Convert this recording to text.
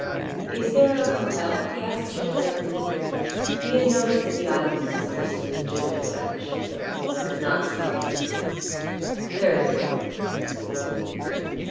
"Is there a hotel?" he asked cheerfully. He had noticed that the islanders understood legitimate French, though they could not speak it. "There is one," said the woman.